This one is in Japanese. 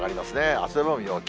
汗ばむ陽気。